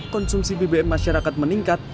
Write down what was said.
konsumsi bbm masyarakat meningkat